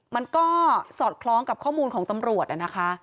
มันก็สอดคล้องกับข้อมูลของตำรวจนะคะ